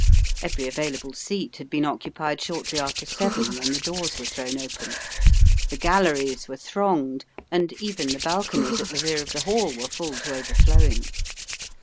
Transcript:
Every available seat had been occupied shortly after seven, when the doors were thrown open. The galleries were thronged, and even the balconies at the rear of the hall were full to overflowing.